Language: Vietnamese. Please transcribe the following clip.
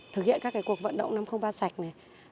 thực hiện các cuộc vận động năm trăm linh ba sạch này